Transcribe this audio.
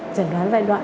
chẩn đoán giai đoạn